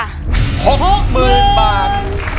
หกหมื่นบาท